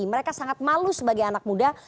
mereka sangat malu sebagai anak muda